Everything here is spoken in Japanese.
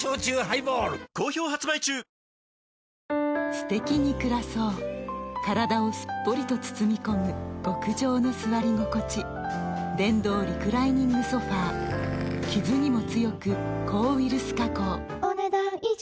すてきに暮らそう体をすっぽりと包み込む極上の座り心地電動リクライニングソファ傷にも強く抗ウイルス加工お、ねだん以上。